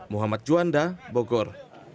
muhammad juanda bogor